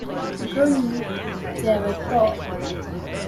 Gurney, David Paul.